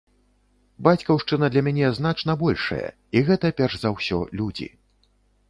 Бацькаўшчына для мяне значна большая, і гэта перш за ўсё людзі.